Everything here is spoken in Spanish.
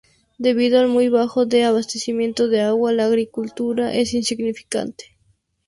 Debido al muy bajo de abastecimiento de agua, la agricultura es insignificante.